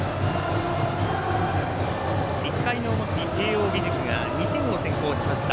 １回の表に慶応義塾が２点を先行しました。